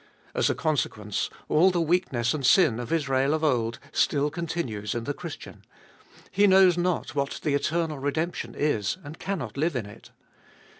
As a consequence, all the weakness and sin of Israel of old still continues in the Christian ; he knows not what the eternal redemption is, and cannot live in it.